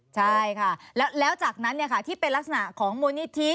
ใช่ค่ะแล้วจากนั้นที่เป็นลักษณะของมูลนิธิ